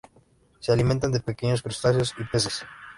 Se alimentan de pequeños crustáceos y peces.